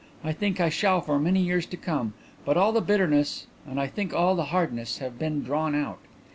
I think I shall for many years to come, but all the bitterness and I think all the hardness have been drawn out.